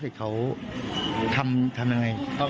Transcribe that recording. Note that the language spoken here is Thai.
สวัสดีครับคุณผู้ชาย